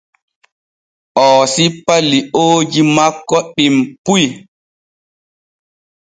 Oo sippa liooji makko ɗim puy.